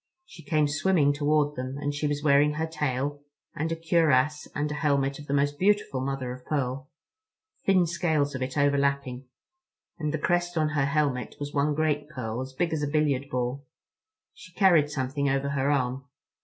She came swimming toward them, and she was wearing her tail, and a cuirass and helmet of the most beautiful mother of pearl—thin scales of it overlapping; and the crest on her helmet was one great pearl, as big as a billiard ball. She carried something over her arm.